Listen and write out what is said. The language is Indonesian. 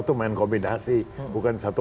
itu main kombinasi bukan satu